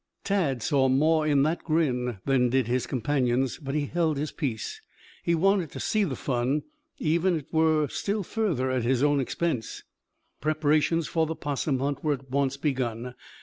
Tad saw more in that grin than did his companions, but he held his peace. He wanted to see the fun, even if it were still further at his own expense. Preparations for the 'possum hunt were at once begun.